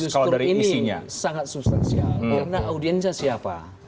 kalau audiensnya siapa